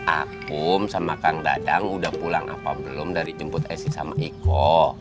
akum sama kang dadang udah pulang apa belum dari jemput esit sama eko